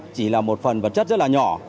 chỉ là một phần vật chất rất là nhỏ